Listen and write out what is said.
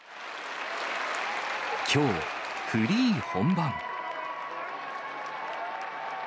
きょう、フリー本番。